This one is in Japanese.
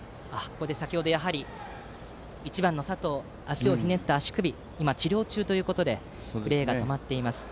先程、１番の佐藤は足をひねった足首を今、治療中ということでプレーが止まっています。